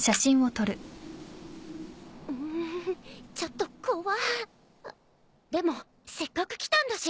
うんちょっと怖っ。でもせっかく来たんだし。